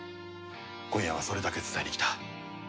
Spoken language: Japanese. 今夜はそれだけ伝えに来た。